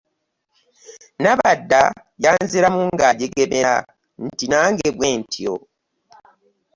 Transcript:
Nabadda yanziramu nga ajegemera nti, “Nange bwentyo".